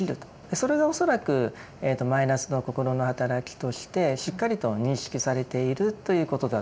それが恐らくマイナスの心の働きとしてしっかりと認識されているということだと思います。